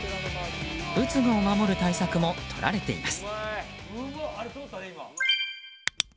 仏具を守る対策も取られています。